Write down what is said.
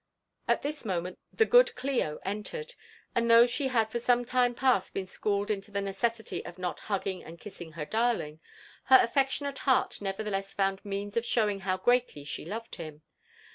At this moment the good Clio entered ; and though she had for some time past been schooled into the necessity of not hugging and kissing her darling, her affectionate heart nevertheless found means of showing how greatly she loved him.